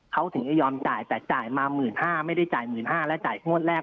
เขาถึงจะยอมจ่ายแต่จ่ายมาหมื่นห้าไม่ได้จ่ายหมื่นห้าแล้วจ่ายงวดแรก